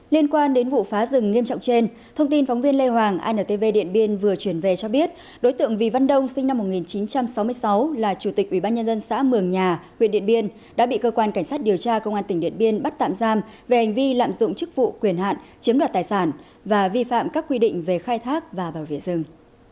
liên quan đến vụ phá rừng nghiêm trọng trên thông tin phóng viên lê hoàng antv điện biên vừa chuyển về cho biết đối tượng vì văn đông sinh năm một nghìn chín trăm sáu mươi sáu là chủ tịch ubnd xã mường nhà huyện điện biên đã bị cơ quan cảnh sát điều tra công an tỉnh điện biên bắt tạm giam về hành vi lạm dụng chức vụ quyền hạn chiếm đoạt tài sản và vi phạm các quy định về khai thác và bảo vệ rừng